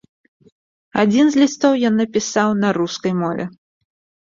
Адзін з лістоў ён напісаў на рускай мове.